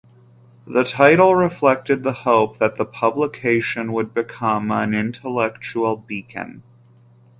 The title reflected the hope that the publication would become an intellectual "beacon".